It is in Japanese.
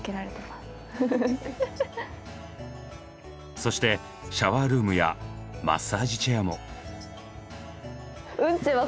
そしてシャワールームやマッサージチェアも。